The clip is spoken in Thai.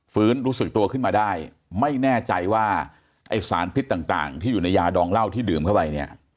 รู้สึกตัวขึ้นมาได้ไม่แน่ใจว่าไอ้สารพิษต่างที่อยู่ในยาดองเหล้าที่ดื่มเข้าไปเนี่ย